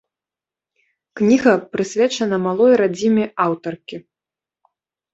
Кніга прысвечана малой радзіме аўтаркі.